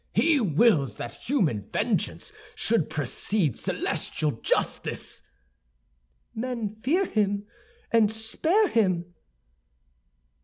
"He wills that human vengeance should precede celestial justice." "Men fear him and spare him."